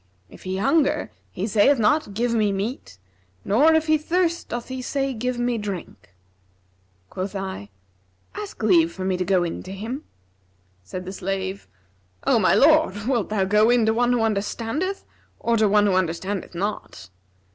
If he hunger, he saith not, 'Give me meat;' nor, if he thirst, doth he say, 'Give me drink.' Quoth I, 'Ask leave for me to go in to him.' Said the slave, 'O my lord, wilt thou go in to one who understandeth or to one who understandeth not?'